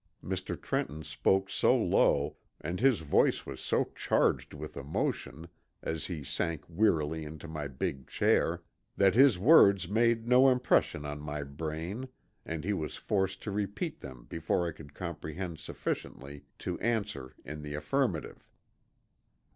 Mr. Trenton spoke so low and his voice was so charged with emotion as he sank wearily into my big chair, that his words made no impression on my brain and he was forced to repeat them before I could comprehend sufficiently to answer in the affirmative.